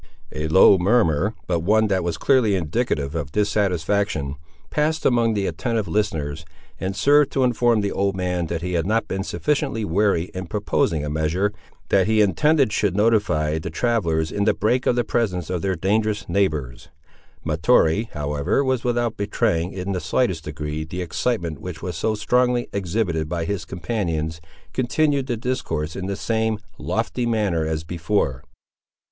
A low murmur, but one that was clearly indicative of dissatisfaction, passed among the attentive listeners, and served to inform the old man that he had not been sufficiently wary in proposing a measure that he intended should notify the travellers in the brake of the presence of their dangerous neighbours. Mahtoree, however, without betraying, in the slightest degree, the excitement which was so strongly exhibited by his companions, continued the discourse in the same lofty manner as before.